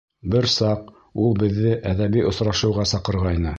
Бер саҡ ул беҙҙе әҙәби осрашыуға саҡырғайны.